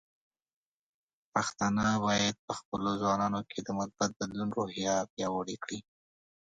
پښتانه بايد په خپلو ځوانانو کې د مثبت بدلون روحیه پیاوړې کړي.